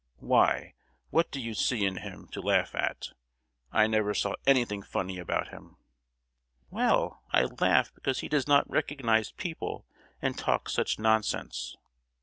Why, what do you see in him to laugh at? I never saw anything funny about him!" "Well, I laugh because he does not recognise people, and talks such nonsense!"